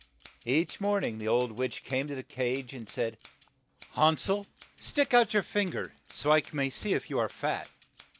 Each morn ing the old witch came to the cage and said, "Han sel, stick out your fin ger, so that I may see if you are fat."